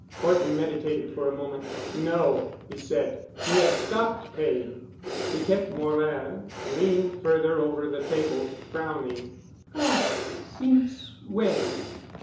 Horton meditated for a moment. "No," he said, "he has stopped paying." Piquette Morin leaned further over the table, frowning. "Ah! Since when?"